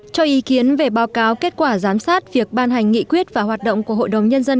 cho ý kiến về báo cáo kết quả giám sát việc ban hành nghị quyết và hoạt động của hội đồng nhân dân